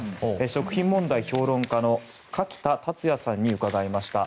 食品問題評論家の垣田達哉さんに伺いました。